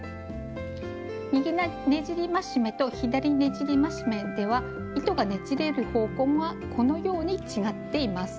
「右ねじり増し目」と「左ねじり増し目」では糸がねじれる方向がこのように違っています。